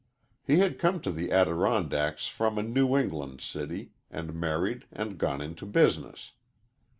He had come to the Adirondacks from a New England city and married and gone into business.